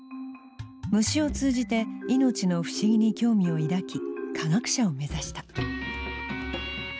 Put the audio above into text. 虫を通じて命の不思議に興味を抱き科学者を目指した。